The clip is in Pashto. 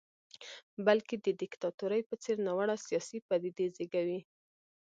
بلکې د دیکتاتورۍ په څېر ناوړه سیاسي پدیدې زېږوي.